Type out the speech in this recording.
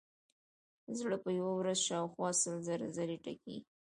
زړه په یوه ورځ شاوخوا سل زره ځلې ټکي.